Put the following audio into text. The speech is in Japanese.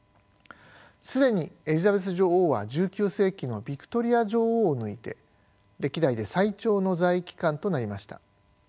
既にエリザベス女王は１９世紀のヴィクトリア女王を抜いて歴代で最長の在位期間となりました。